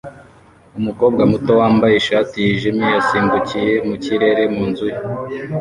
Umukobwa muto wambaye ishati yijimye yasimbukiye mu kirere mu nzu ye